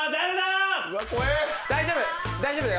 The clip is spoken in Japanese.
大丈夫！